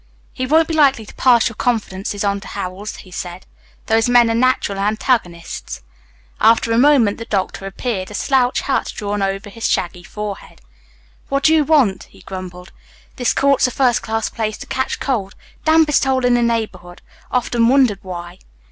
"He won't be likely to pass your confidences on to Howells," he said. "Those men are natural antagonists." After a moment the doctor appeared, a slouch hat drawn low over his shaggy forehead. "What you want?" he grumbled. "This court's a first class place to catch cold. Dampest hole in the neighbourhood. Often wondered why."